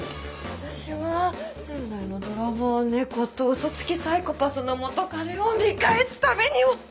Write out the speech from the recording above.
私は仙台の泥棒猫と嘘つきサイコパスの元カレを見返すためにも！